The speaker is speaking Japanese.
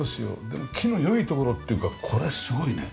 でも木の良いところっていうかこれすごいね。